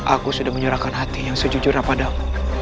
aku sudah menyerahkan hati yang sejujurnya padaku